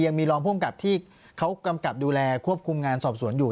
ยังมีรองภูมิกับที่เขากำกับดูแลควบคุมงานสอบสวนอยู่